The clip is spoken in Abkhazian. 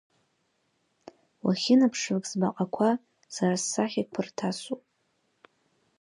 Уахьынаԥшлак сбаҟақәа, сара ссахьақәа рҭасоуп.